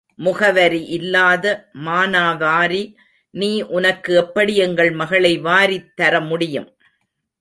முகவரி இல்லாத மானாவாரி நீ உனக்கு எப்படி எங்கள் மகளை வாரித் தர முடியும்?